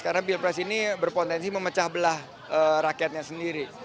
karena pilpres ini berpotensi memecah belah rakyatnya sendiri